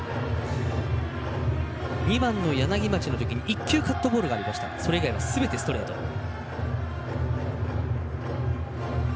２番の柳町のときに１球カットボールがありましたそれ以外はすべてストレートです。